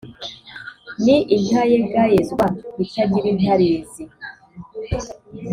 ni intayegayezwa itagira intarizi,